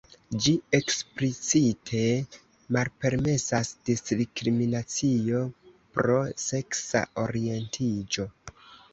Ĝi eksplicite malpermesas diskriminacion pro seksa orientiĝo.